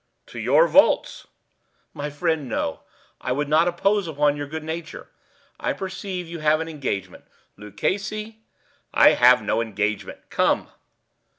"To your vaults." "My friend, no; I will not impose upon your good nature. I perceive you have an engagement. Luchesi—" "I have no engagement;—come."